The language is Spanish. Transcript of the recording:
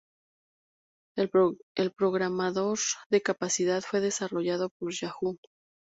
El programador de capacidad fue desarrollado por Yahoo.